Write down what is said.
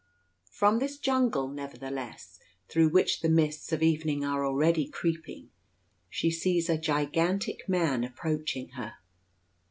From this jungle, nevertheless, through which the mists of evening are already creeping, she sees a gigantic man approaching her.